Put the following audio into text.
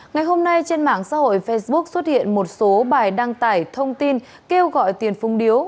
ngày hôm nay trên mạng xã hội facebook xuất hiện một số bài đăng tải thông tin kêu gọi tiền phung điếu